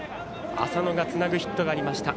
浅野がつなぐヒットがありました。